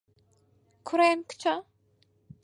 کوڕە یان کچە؟